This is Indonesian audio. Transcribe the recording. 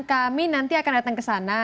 kami nanti akan datang ke sana